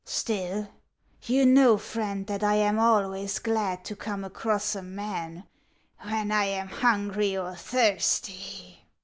Still, you know, Friend, that I am always glad to come across a man when I am hungry or thirsty."